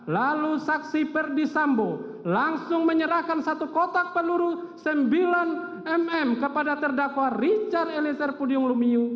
lalu saksi perdisambo langsung menyerahkan satu kotak peluru sembilan mm kepada terdakwa richard eliezer pudium lumiu